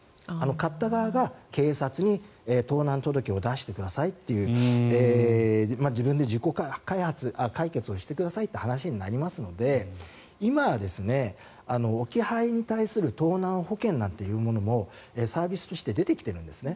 買った側が警察に盗難届を出してくださいという自分で自己解決してくださいという話になりますので今は置き配に対する盗難保険なんていうものもサービスとして出てきているんですね。